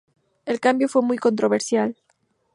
El cambio fue muy controversial.